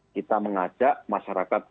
kita mengajak masyarakat